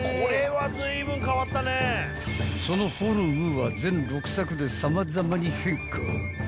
［そのフォームは全６作で様々に変化］